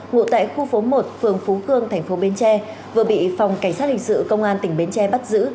ngụ tại khu phố một phường phú khương tp bến tre vừa bị phòng cảnh sát hình sự công an tỉnh bến tre bắt giữ